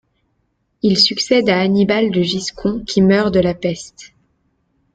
Il succède à Hannibal de Giscon qui meurt de la peste.